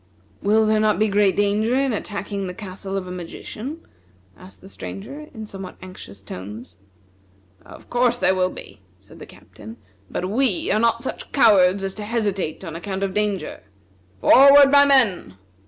"Will there not be great danger in attacking the castle of a magician?" asked the Stranger in somewhat anxious tones. "Of course there will be," said the Captain, "but we are not such cowards as to hesitate on account of danger. Forward, my men!"